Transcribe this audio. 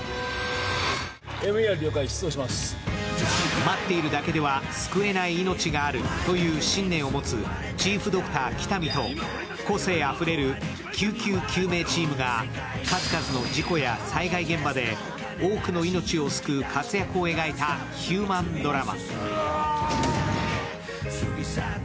待っているだけでは救えない命があるという信念を持つチーフドクター・喜多見と個性あふれる救急救命チームが数々の事故や災害現場で多くの命を救う活躍を描いたヒューマンドラマ。